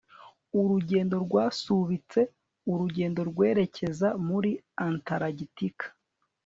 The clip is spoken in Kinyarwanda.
urugendo rwasubitse urugendo rwerekeza muri antaragitika